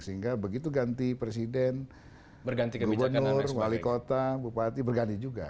sehingga begitu ganti presiden gubernur wali kota bupati berganti juga